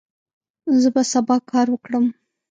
زه به سبا کار وکړم.